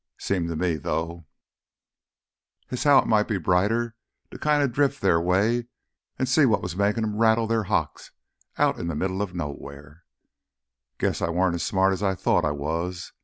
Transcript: Seemed to me, though, as how it might be brighter to kinda jus' drift their way an' see what's makin' 'em rattle their hocks out in th' middle of nowhere. "Guess I weren't as smart as I thought I was.